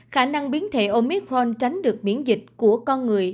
khả năng biến thể omicron tránh được miễn dịch của con người